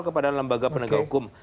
kepada lembaga penegak hukum